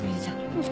うん。